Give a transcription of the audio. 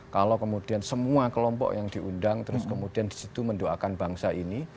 kalau kemudian semua kelompok yang diundang terus kemudian disitu mendoakan bangsa ini